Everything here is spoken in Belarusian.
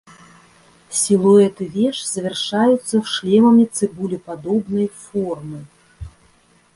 Сілуэты веж завяршаюцца шлемамі цыбулепадобнай формы.